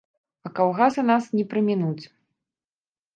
А калгасы нас не прамінуць.